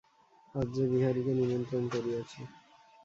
আজ যে বিহারীকে নিমন্ত্রণ করিয়াছি।